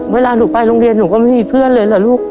เวลาหนูไปโรงเรียนหนูก็ไม่มีเพื่อนเลยเหรอลูก